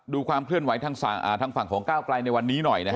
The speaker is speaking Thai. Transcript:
ดูความเคลื่อนไหวทางฝั่งของก้าวไกลในวันนี้หน่อย